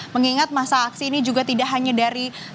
mengingat masa aksi ini juga tidak hanya diperlukan rekayasa lalu lintas